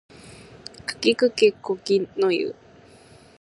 かきくけこきのゆ